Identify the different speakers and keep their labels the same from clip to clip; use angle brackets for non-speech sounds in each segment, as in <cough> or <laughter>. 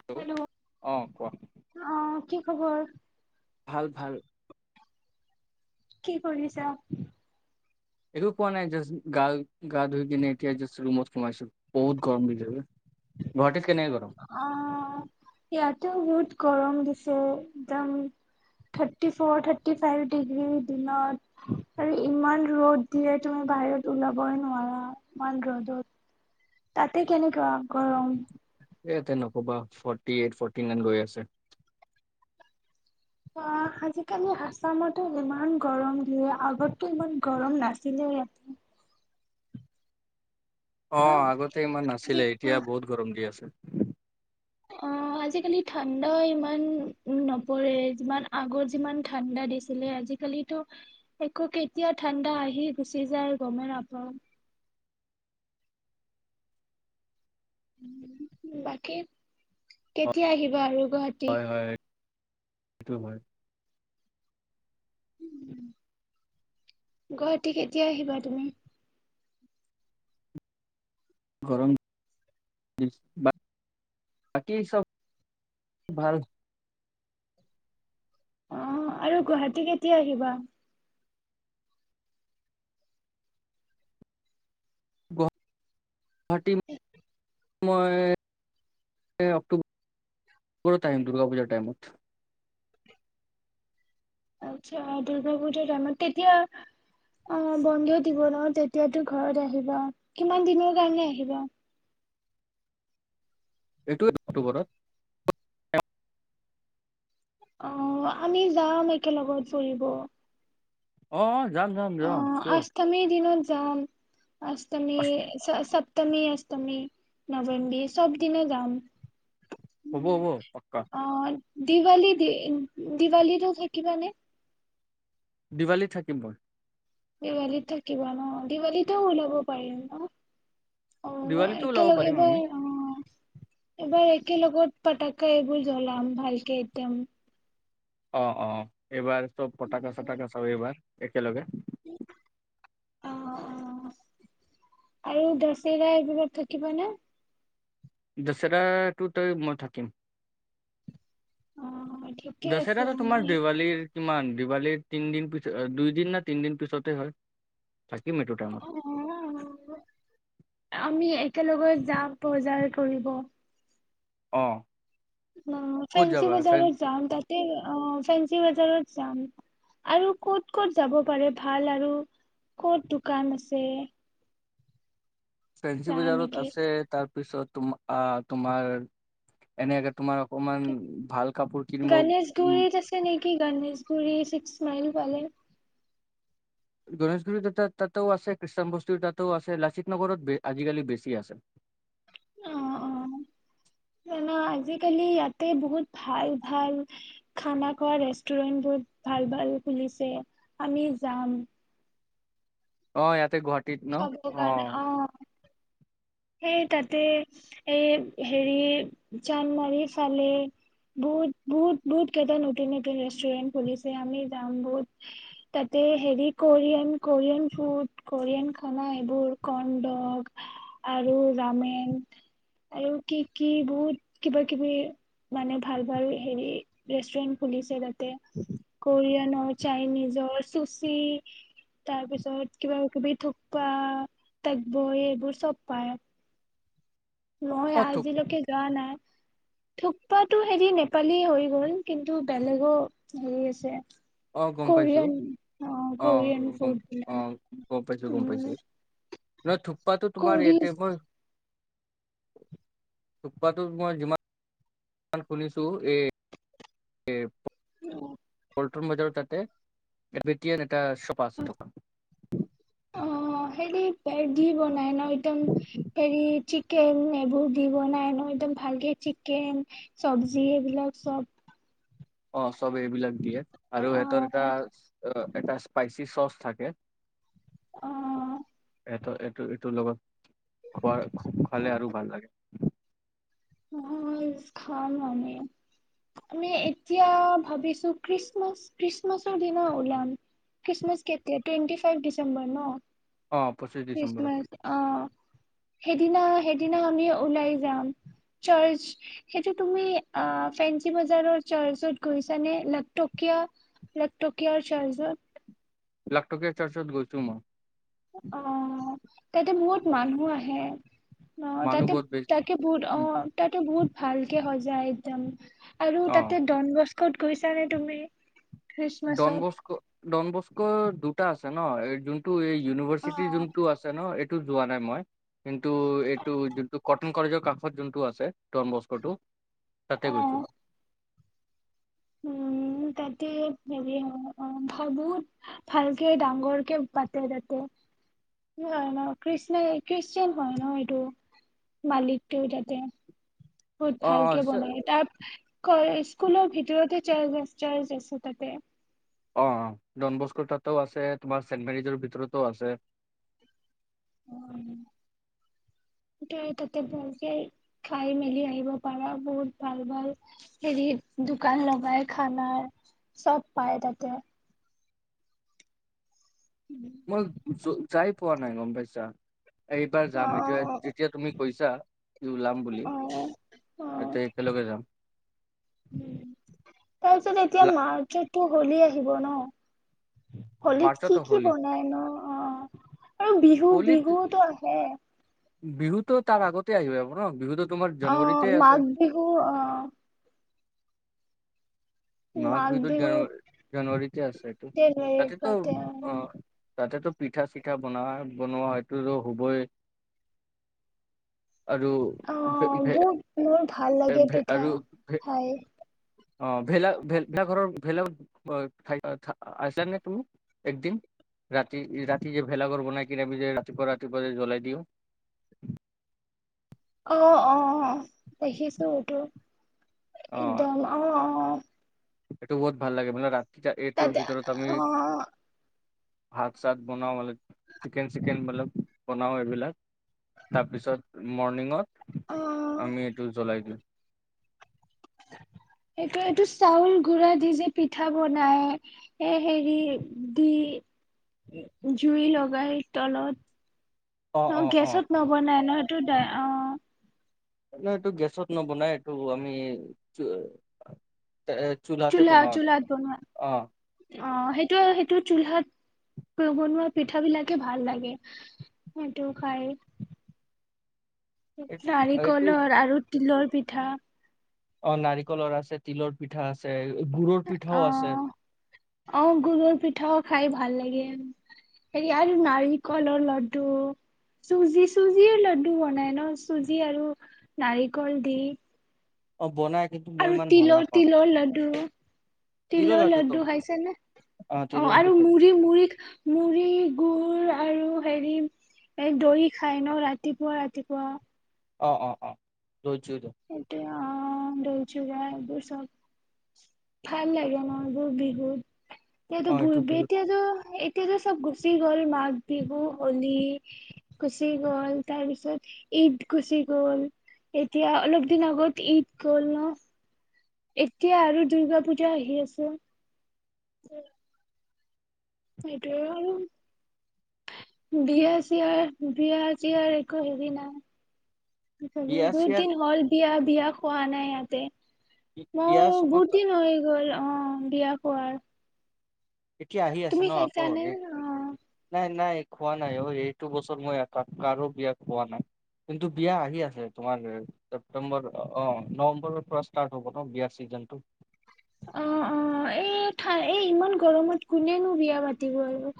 Speaker 1: হেল্'
Speaker 2: hello
Speaker 1: অ কোৱা
Speaker 2: অ', কি খবৰ
Speaker 1: বহুত ভাল
Speaker 2: কি কৰিছা
Speaker 1: একো কোৱা নাই যাচ্ছ গাল গা ধুই কিনে এতিয়া যাষ্ট ৰুমত। সোমাইছো বহুত গৰম দিলে বে গুৱাহাটীত কেনেকে গৰম
Speaker 2: অ ইয়াতো বহুত গৰম দিছে একদম thirty four thirty five degree দিনত আৰু ইমান ৰ'দ দিয়ে তুমি বাহিৰত ওলাবই নোৱাৰা ইমান ৰ'দত তাতে কেনেকুৱা গৰম
Speaker 1: এ ইয়াতে নকবা ফৰ্টি এইট ফৰ্টি নাইন গৈ আছে
Speaker 2: অ আজিকালি আছামতো ইমান গৰম দিয়ে আগতো ইমান গৰম নাছিলে ইয়াতে
Speaker 1: অ আগতে ইমান নাছিলে এতিয়া বহুত গৰম দি আছে
Speaker 2: আহ আজিকালি ঠাণ্ডা ইমান নপৰে যিমান আগত যিমান ঠাণ্ডা দিছিলে আজিকালিতো একো কেতিয়া ঠাণ্ডা আহি গুচি যায় গমে নাপাওঁ বাকী কেতিয়া আহিবা আৰু গুৱাহাটী
Speaker 1: হয় হয় সেইটো হয়
Speaker 2: গুৱাহাটী কেতিয়া আহিবা তুমি
Speaker 1: গৰম বাকী চব ভাল
Speaker 2: অ আৰু গুৱাহাটী কেতিয়া আহিবা
Speaker 1: গুৱাহাটীত মই অক্টোবৰত আহিম দুৰ্গা পূজাৰ টাইমত
Speaker 2: আচ্ছা দুৰ্গা পূজাৰ দামত তেতিয়া আহ বন্ধ দিব ন তেতিয়াতো ঘৰলে আহিবা কিমান দিনৰ কাৰণে আহিবা
Speaker 1: এইটো অক্টোবৰত
Speaker 2: অ আমি যাম একে লগত ফুৰিব
Speaker 1: অ যাম যাম
Speaker 2: অ
Speaker 1: যাম চিয়ৰ
Speaker 2: অষ্টমী দিনত যাম অষ্টমী ছ ছপ্তমী সপ্তমী নৱেম্বী সব দিনে যাম।
Speaker 1: হ'ব হ'ব পাক্কা।
Speaker 2: অ' দিৱালী, দি দিৱালীটো থাকিবানে?
Speaker 1: দিৱালীত থাকিম মই।
Speaker 2: দিৱালীত থাকিবা ন', দিৱালীতেও ওলাব পাৰিম ন? অ'
Speaker 1: দিৱালীতো ওলাব
Speaker 2: একেলগ
Speaker 1: পাৰিম
Speaker 2: এইবাৰ
Speaker 1: আমি
Speaker 2: অ', এবাৰ একেলেলগত পাতাকা এইবোৰ জ্বলাম ভালকে একদম
Speaker 1: অ', অ এইবাৰ চব পটাকা চটাকা ধৰিবা একেলগে
Speaker 2: অ', অ' আৰু দচিৰা এইবিলাক থাকিব নে?
Speaker 1: দচৰা টো তই মই থাকিম।
Speaker 2: অ' ঠিকে আছে
Speaker 1: দশেৰাটো তোমাৰ
Speaker 2: আমি
Speaker 1: দেৱালীৰ কিমান? দিৱালীৰ তিনদিন পিছত দুইদিন না তিনদিন পিছতে হয়। থাকিম এইটো টাইমত
Speaker 2: <unintelligible> আমি এক একেলগত যাম বজাৰ কৰিব।
Speaker 1: অ',
Speaker 2: অ
Speaker 1: ক'ত
Speaker 2: ফেঞ্চি
Speaker 1: যাবা ফেন
Speaker 2: বজাৰত যাম, তাতে ফেঞ্চি বজাৰত আৰু ক'ত ক'ত যাব পাৰে ভাল আৰু ক'ত দোকান আছে
Speaker 1: ফেঞ্চি
Speaker 2: চা
Speaker 1: বজাৰত
Speaker 2: নেকি
Speaker 1: আছে তাৰ পিছত তোমা তোমাৰ এনেকে তোমাৰ অকমান ভাল কাপোৰ কিনিব
Speaker 2: গণেশ
Speaker 1: উম,
Speaker 2: গুৰিত আছে নে কি গণেশগুৰি ছিক্স মাইল পালে।
Speaker 1: গণেশগুৰিত তাতো আছে খ্ৰীষ্টানবস্তি তাটোও আছে লাচিত নগৰত আজিকালি বেছি আছে।
Speaker 2: অ', অ', জানা আজিকালি ইয়াতে বহুত ভাল ভাল খানা খোৱা ৰেষ্টুৰেণ্ট বহুত ভাল ভাল খুলিছে আমি যাম।
Speaker 1: অ' এয়াত গুৱাহাটীত ন?
Speaker 2: খাবৰ কাৰণে
Speaker 1: অ',
Speaker 2: সেই তাতে এই হেৰি জানমাৰি ফালে বহুত, বহুত, বহুত কেইটা নতুন নতুন ৰেষ্টুৰেন্ট খুলিছে আমি যাম বহুত তাতে হেৰি কোৰিয়ান কোৰিয়ান ফুড কোৰিয়ান খানা এইবোৰ কৰ্ণ্ডক আৰু ৰামেন আৰু কি কি বহুত কিবা কিবি মানে ভাল ভাল হেৰি ৰেষ্টুৰেন্ট খুলিছে। তে কৰিয়ান <unintelligible> চাইনিজৰ চুচি, তাৰপিছত কিবা কিবি থুপা তাকবৈ এইবোৰ চব পায়ে <unintelligible> মই
Speaker 1: অ', থোক
Speaker 2: আজিলৈকে যোৱা নাই। থোপাটো হেৰি নেপালী হৈ গল কিন্তু বেলেগো হেৰি আছে।
Speaker 1: অ', গম পাইছো
Speaker 2: কৰিয়ান, অ', কৰিয়ান
Speaker 1: গম
Speaker 2: ফুড
Speaker 1: অ গম পাইছো, গম পাইছো।
Speaker 2: উম
Speaker 1: ন থু তাতো তোমাৰাৰে এয়াতি
Speaker 2: কৰিজ
Speaker 1: মই ফুটপাথত মই যিমান শুনিছো এই নতুন বতৰ তাতে <unintelligible> একশ পাঁচ টকা
Speaker 2: অ হেৰি পে দি বনাই ন একদম হেৰি চি চিকেন এইবোৰ দি বনাই ন একদম ভালকে চিকেন চবজি এইবিলাক চব
Speaker 1: অ চব এইবিলাক দিয়ে আৰু সিহঁতৰ এটা
Speaker 2: অ'
Speaker 1: এটা স্পাইচি চচ থাকে
Speaker 2: অ
Speaker 1: টো এইটো এইটোৰ লগত খোৱা খালে আৰু ভাল লাগে
Speaker 2: আমি খাম আমি এতিয়া ভাবিছো খ্ৰীষ্টমাছ খ্ৰীষ্টমাছৰ দিনা ওলাম খ্ৰীষ্টমাছ কেতিয়া টুৱেন্টি ফাইভ ডেচম্বৰ ন
Speaker 1: অ পঁচিশ ডিচেম্বৰত
Speaker 2: খ্ৰীষ্টমাছ অ সেইদিনা সেইদিনা আমি ওলাই যাম চাৰ্চ সেইটো তুমি ফেনচি বজাৰৰ চাৰ্চত গৈছানে লাখটকীয়া লাখটকীয়া চাৰ্চত
Speaker 1: লাখটকীয়া চাৰ্চত গৈছো মই
Speaker 2: অ তাতে বহুত মানুহ আহে অ
Speaker 1: মানুহ
Speaker 2: তাতে
Speaker 1: বহুত বেছি
Speaker 2: তাকে বহুত অ তাতে বহুত ভালকে হয় আইটাম আৰু
Speaker 1: অ
Speaker 2: তাতে ডন বস্কো ক'ত গৈছা নে তুমি
Speaker 1: ডন
Speaker 2: খ্ৰীষ্টমাছত
Speaker 1: বস্কো ডন বস্ক দুটা আছে ন এই যোনটো এই
Speaker 2: অ
Speaker 1: ইউনিভাৰ্চিটিৰ যোনটো আছে ন সেইটো যোৱা নাই মই কিন্তু এইটো যোনটো কটন কলেজৰ কাষত যোনটো আছে ডন বস্ক টো তাতে
Speaker 2: অ
Speaker 1: গৈছো
Speaker 2: উম তাতে হেৰি হয় বহুত ভালকে ডাঙৰকে পাতে তাতে খ্ৰীষ্ট খ্ৰীষ্টান হয় ন এইটো মালিকটো তাতে বহুত
Speaker 1: অ
Speaker 2: ভালকে বনাই
Speaker 1: অ
Speaker 2: তাত কইছ স্কুলৰ ভিতৰতে চাৰ্ছ চাৰ্জ আছে তাতে
Speaker 1: অ ডন বস্ক তাতও আছে তোমাৰ চেণ্ট মেৰিজৰ ভিতৰতো আছে
Speaker 2: ই তাতে ভালকে খাই মেলি আহিব পাৰা বহুত ভাল ভাল হেৰি দোকান লগাই খানা চব পায় তাতে
Speaker 1: মই যাই পোৱা নাই গম পাইছা এইবাৰ
Speaker 2: অ
Speaker 1: যাম এতিয়া যেতিয়া তুমি কৈছা ওলাম বুলি
Speaker 2: অ
Speaker 1: এতিয়া একেলগে যাম
Speaker 2: তাৰ পিছত এতিয়া
Speaker 1: লা-
Speaker 2: মাৰ্চত টো গলি আহিব ন'? হোলীত
Speaker 1: মাৰ্চত
Speaker 2: কি কি
Speaker 1: হলী
Speaker 2: বনাইনো? অ' আৰু বিহু
Speaker 1: হলীত
Speaker 2: বিহুটো আহে।
Speaker 1: বিহুতো তাৰ আগতে আহি পাব ন? বিহুতো তোমাৰ জানুৱাৰীতে আছে
Speaker 2: অ'-মাঘ বিহু - অ'
Speaker 1: মাঘ বিহুত জানুৱাৰী- জানুৱাৰীতে আছেতো।
Speaker 2: যে হেৰি
Speaker 1: তাতেতো
Speaker 2: পাতে
Speaker 1: অ' তাতেতো পিঠা চিঠা বনাৱা-বনোৱা হয়টো-টো হ'বই। আৰু ভে
Speaker 2: অ'
Speaker 1: ভে
Speaker 2: বহুত বহুত ভাল লাগে
Speaker 1: ভে
Speaker 2: পিঠা,
Speaker 1: আৰু ভে
Speaker 2: খাই।
Speaker 1: অ ভেলা-ভেল ভেলাঘৰৰ ভেলা-আ' খাই আ' খাই আছানে তুমি, একদিন? ৰাতি- ৰাতি যে ভেলাঘৰ বনাই কিনে আমি যে ৰাতিপুৱা ৰাতিপুৱা যে জ্বলাই দিওঁ।
Speaker 2: অ' অ' দেখিছোঁ এইটো।
Speaker 1: অ
Speaker 2: একদম অ' অ'
Speaker 1: এইটো বহুত ভাল লাগে। মানে ৰাত
Speaker 2: ততে- অ'-
Speaker 1: ভাত চাত বনাওঁ মালিক চিকেন চিকেন মত্‌লব বনাওঁ এইবিলাক। তাৰপিছত মৰ্ণিঙত।
Speaker 2: অ
Speaker 1: আমি এইটো জ্বলাই দিওঁ।
Speaker 2: সেইটোয়েটো চাউল গুৰা দি যে পিঠা বনাই। এ' হেৰি- দি- জুই লগাই তলত
Speaker 1: অ',
Speaker 2: ন
Speaker 1: অ', অ',
Speaker 2: গেছত নবনাই ন সেইটো দে অ
Speaker 1: আপোনাৰ এইটো গেছত নবনাই এইটো আমি চু এ চোলাতে
Speaker 2: চোলা
Speaker 1: বন অ।
Speaker 2: চোলাত বনোৱা অ সেইটো সেইটো চুলহাত বনোৱা পিঠা বিলাকে ভাল লাগে সেইটো খাই।
Speaker 1: এইটো এইটো
Speaker 2: নাৰিকলৰ আৰু তিলৰ পিঠা।
Speaker 1: অ নাৰিকলৰ আছে তিলৰ পিঠা আছে। গুৰৰ
Speaker 2: অ,
Speaker 1: পিঠাও আছে
Speaker 2: অ গুৰুৰ পিঠাও খাই ভাল লাগে হেৰি আৰু নাৰিকলৰ লাড্ডু, চুজি চুজিৰ লাড্ডু বনাই ন চুজি আৰু নাৰিকল দি।
Speaker 1: অ বনাই। কিন্তু মই
Speaker 2: আৰু
Speaker 1: ইমান ভাল
Speaker 2: তিলৰ
Speaker 1: নাপাওঁ
Speaker 2: তিলৰ লাডু তিলৰ লাডু খাইছে নে? অ
Speaker 1: তিলৰ লাডু
Speaker 2: আৰু
Speaker 1: খাইছো
Speaker 2: মুড়ি মুড়ি মুড়ি গুুৰ আৰু হেৰি এ দৰি খাই ন ৰাতিপুৱা ৰাতিপুৱা?
Speaker 1: অ অ অ গৈজু
Speaker 2: এইটোয়ে অহ, দৌচু এইবোৰ চব ভাল লাগে মোৰ এইবোৰ বিহুত। এতিয়াটো
Speaker 1: অ', এইটো
Speaker 2: ভূলবে
Speaker 1: বিহুত
Speaker 2: এতিয়াটো এ এতি যে চব গুচি গ'ল মাঘ বিহু অ'লি গুচি গ'ল তাৰ পিছত ঈদ গুচি গ'ল এতিয়া অলপ দিন আগত ঈদ গল ন এতিয়া আৰু দুূৰ্গা পূজা আহি আছে উম সেইটো আৰু বিয়া চিয়াৰ বিয়া চিয়াৰ একো হেৰি নাই
Speaker 1: বিয়া
Speaker 2: বহুত
Speaker 1: চিয়াৰ
Speaker 2: দিন হ'ল বিয়া বিয়া খোৱা নাই ই তে
Speaker 1: বিয়াৰ
Speaker 2: মই
Speaker 1: সময়ত
Speaker 2: বহুত দিন হৈ গল অ বিয়া পোৱাৰ
Speaker 1: এতিয়া আহি আছে ন আকৌ
Speaker 2: অ
Speaker 1: নাই নাই খোৱা নাই অ এইটো বছৰ মই এপাক কাৰো বিয়া খোৱা নাই কিন্তু বিয়া আহি আছে তোমাৰ ছেপটেম্বৰ অ নৱেম্বৰৰ পৰা ষ্টাৰ্ট হব ন বিয়াৰ চিজনটো
Speaker 2: অ অ এই এই ইমান গৰমত কোনেনো বিয়া পাতিব আৰু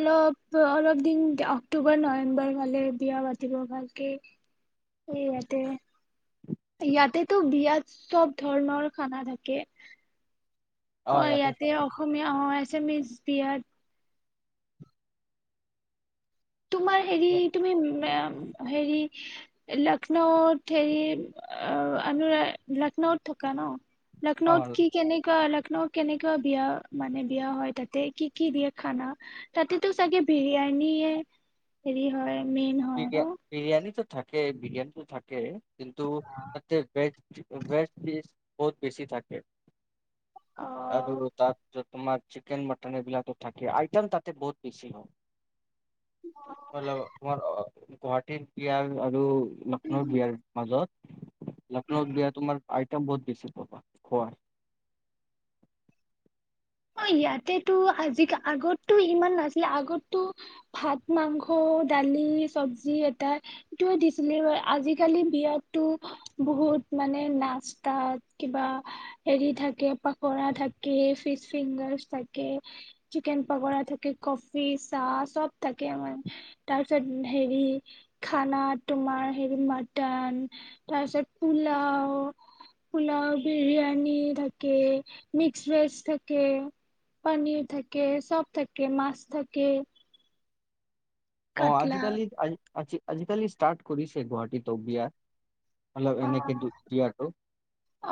Speaker 2: অলপ অলপ দিন অক্টোবৰ নৱেম্বৰ ভালেই বিয়া পাতিব ভালকে অ ইয়াতে ইয়াতেতো বিয়াত চব ধৰণৰ খানা থাকে অ ইয়াতে অসমীয়া হয় চ মিজ বিয়াাত তোমাৰ এৰি তুমি হেৰি লক্ষ্ণৌত হেৰি অনুৰা লক্ষ্ণৌত থকা ন
Speaker 1: অ
Speaker 2: লক্ষ্নৌত কি কেনেকুৱা অলপ ন কেনেকুৱা বিয়া মানে বিয়া হয় তাতে কি কি দিয়ে খানা তাতেতো চাগে বিৰিয়ানীয়েে হেৰি হয়
Speaker 1: বিয়া বিৰিয়ানটো থাকে বিৰিয়ানীটো থাকে কিন্তু তাতে ভেজ ৱেষ্ট ইডিজ বহুত বেছি থাকে আৰু তাত তোমাৰ চিকেন মটন এইবিলাকো থাকে আইটেম তাতে বহুত বেছি হয় মল গুৱাহাটীৰ বিয়াৰ আৰু
Speaker 2: অ'।
Speaker 1: লক্ষ্ণৌ বিয়াৰ মাজত লক্ষৌত বিয়া তোমাৰ একদম বহুত বেছি পাবা খোৱা
Speaker 2: অ ইয়াতেতো আজিাল আগতটো ইমান নাছিলে আগতটো ভাত মাংস দালি চব্জি এটা এইটোয়ে দিছিলে আজিকালি বিয়াতো বহুত মানে নাস্তাত কিবা হেৰি থাকে পখৰা থাকে ফিচ ফিংগাৰ থাকে চিকেন পকৰা থাকে কফি চাহ চব থাকে আমাৰ তাৰপিছত হেৰি খানা তোমাৰ হেৰি মাটন তাৰপিছত পোলাও পোলাও বিৰিয়ানী থাকে মিক্স ভেজ থাকে থ পনীৰ থাকে সব থাকে মাছ থাকে
Speaker 1: অ
Speaker 2: কাটলা
Speaker 1: আজিকালি আ আজিকালি ষ্টাৰ্ট কৰিছে গুৱাহাটীত বিয়া অলপ
Speaker 2: অ
Speaker 1: এনেকে দু- দিয়াটো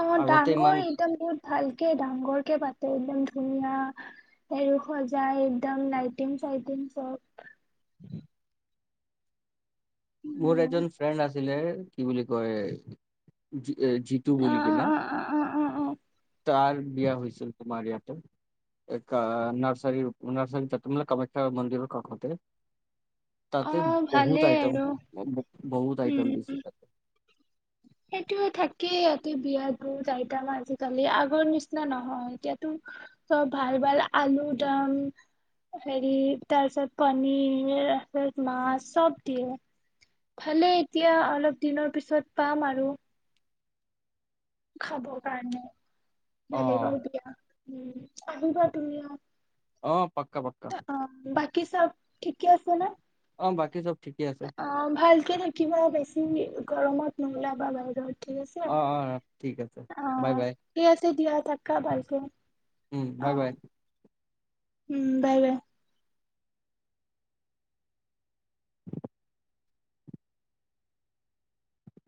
Speaker 2: অ
Speaker 1: আগতে ইমান
Speaker 2: ডাঙৰ একদম বহুত ভালকে ডাঙৰকে পাতে একদম ধুনীয়া আৰু সজাই একদম লাইটিং চাইটিং চব
Speaker 1: মোৰ
Speaker 2: উম,
Speaker 1: এজন ফ্ৰেণ্ড আছিলে। কি বুলি কয় জিতু
Speaker 2: অ
Speaker 1: বুলি কিনে
Speaker 2: অ অ অ অ অ
Speaker 1: তাৰ বিয়া হৈছিল তোমাৰ ইয়াত ম <inaudible> একা নাৰ্চাৰি <unintelligible> কামাখ্য মন্দিৰ কাখতে
Speaker 2: অ ভালেই আৰু
Speaker 1: বহুত আইটম দিছি থে
Speaker 2: সেইটো থাকেই ইয়াতে বিয়া দুইটা মান আজিকালি আগৰ নিচিনা নহয় এতিয়াতো চব ভাল ভাল আলু দাম হেৰি তাৰপিছত পনীৰ তাৰপিছত মাছ চব দিয়ে ভালে এতিয়া অলপ দিনৰ পিছত পাম আৰু খাব কাৰণে
Speaker 1: অ
Speaker 2: ভাল ক দিয়া <inaudible>
Speaker 1: অ পাক্কা পাক্কা
Speaker 2: অ বাকি চব থিকেই আছে নে
Speaker 1: অ বাকী চব ঠিকে আছে
Speaker 2: অ ভালকে থাকিবা বেছি <inaudible> গৰমত নহলে বাবা <inaudible>
Speaker 1: অ অ ঠিক আছে বাই
Speaker 2: অ'।
Speaker 1: বাই
Speaker 2: ঠিক আছে দিয়া থাকা ভালকে।
Speaker 1: উম
Speaker 2: অ,
Speaker 1: বাই বাই
Speaker 2: উম, বাই-বাই।
Speaker 1: <inaudible>